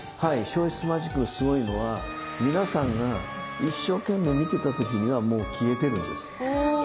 消失マジックのすごいのは皆さんが一生懸命見てた時にはもう消えてるんです。